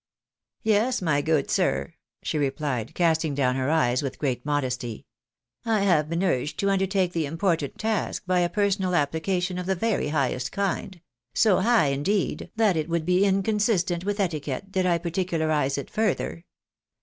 " Yes, my good sir," she replied, casting down her eyes with great modesty. " I have been urged to undertake the important task by a personal application of the very highest kind ; so high, indeed, that it would be inconsistent with etiquette did I par ticularise it further."